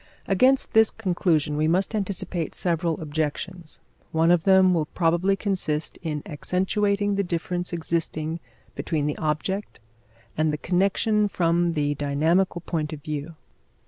Against this conclusion we must anticipate several objections. One of them will probably consist in accentuating the difference existing between the object and the connection from the dynamical point of view.